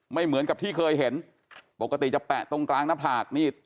เหมือนกับที่เคยเห็นปกติจะแปะตรงกลางหน้าผากนี่